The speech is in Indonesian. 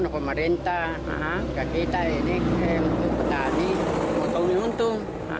petani mau tawur untung